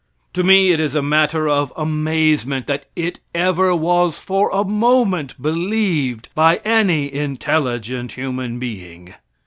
To me it is a matter of amazement, that it ever was for a moment believed by any intelligent human being.